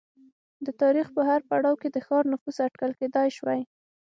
د تاریخ په هر پړاو کې د ښار نفوس اټکل کېدای شوای